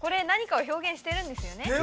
何かを表現してるんですよね？